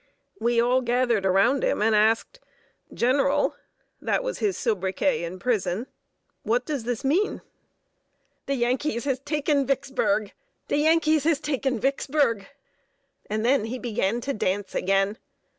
We all gathered around him and asked "General" (that was his soubriquet in the prison), "what does this mean?" "De Yankees has taken Vicksburg! De Yankees has taken Vicksburg!" and then he began to dance again.